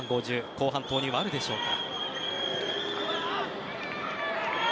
後半、投入はあるでしょうか。